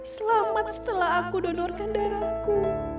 selamat setelah aku donorkan darahku